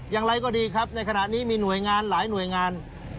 อย่างไรก็ดีครับในขณะนี้มีหน่วยงานหลายหน่วยงาน